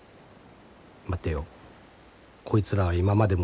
待てよこいつらは今までも見えてた。